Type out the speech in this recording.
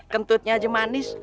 kentutnya aja manis